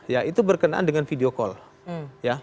ya itu berkenaan dengan video call